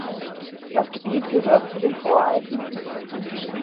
Das Gebiet gehört zu den Voralpen.